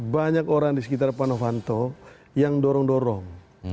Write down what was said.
banyak orang di sekitar pak novanto yang dorong dorong